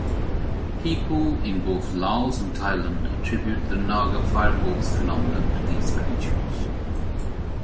People in both Laos and Thailand attribute the naga fireballs phenomenon to these creatures.